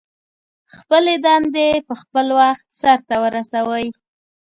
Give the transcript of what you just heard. خپلې دندې په خپل وخت سرته ورسوئ.